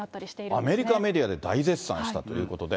アメリカメディアで大絶賛したということで。